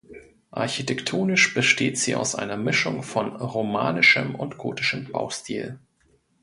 Architektonisch besteht sie aus einer Mischung von romanischem und gotischem Baustil.